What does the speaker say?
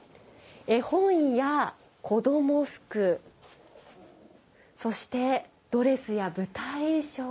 絵本や、子ども服そして、ドレスや舞台衣装。